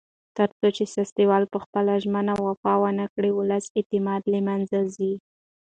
تر څو چې سیاستوال په خپلو ژمنو وفا ونکړي، ولسي اعتماد له منځه ځي.